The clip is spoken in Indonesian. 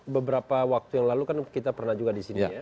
beberapa waktu yang lalu kan kita pernah juga di sini ya